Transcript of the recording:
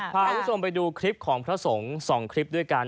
พาท่านไปดูสองทั้งคลิปด้วยกัน